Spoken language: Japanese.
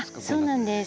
そうなんです。